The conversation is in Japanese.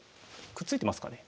くっついてますかね？